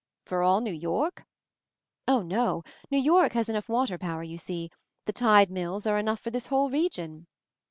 "For all New York?" "Oh, no. New York has enough water power, you see. The tide mills are enough for this whole region."